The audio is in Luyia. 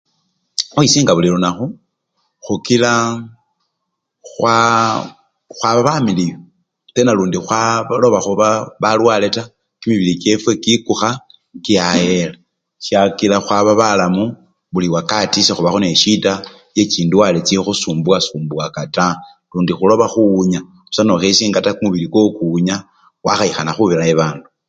Khukhwisinga buli lunakhu, khukilaa khwaba bamiliyu, tena lundi khwaloba khuba balwale taa, kimibili kyefwe kikukha kyayela syakila khwaba balamu buli wakati sekhubakho nende esyida yechindwale chikhusumbuwa sumbuwaka taa lundi khuloba khuwunya busa nokhesinga taa kumubili kwowo kuwunya wakhayikhana nekhubira mubandu.